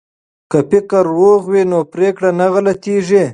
که فکر روغ وي نو پریکړه نه غلطیږي.